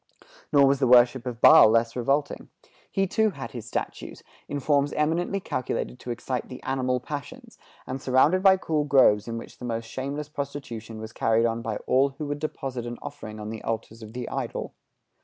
Nor was the worship of Baal less revolting. He too had his statues, in forms eminently calculated to excite the animal passions, and surrounded by cool groves in which the most shameless prostitution was carried on by all who would deposit an offering on the altars of the idol.